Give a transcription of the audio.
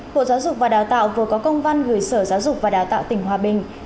bộ giáo dục và đào tạo vừa có công văn gửi sở giáo dục và đào tạo tỉnh hòa bình